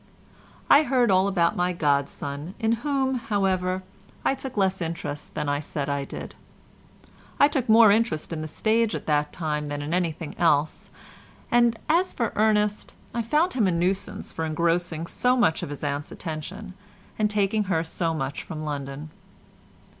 I heard all about my godson in whom, however, I took less interest than I said I did. I took more interest in the stage at that time than in anything else, and as for Ernest, I found him a nuisance for engrossing so much of his aunt's attention, and taking her so much from London.